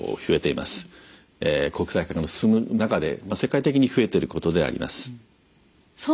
国際化の進む中で世界的に増えていることであります。